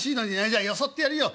じゃあよそってやるよ